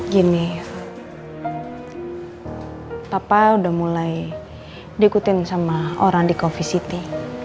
gini papa udah mulai diikutin sama orang di coffee city